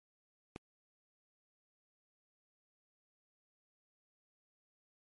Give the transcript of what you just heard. yanga kwirirwa kujya gushakisha akazi